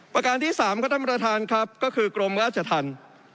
ประการที่๓ก็คือกรมราชทัน